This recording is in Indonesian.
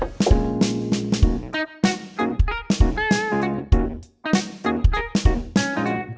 kamu kenal gak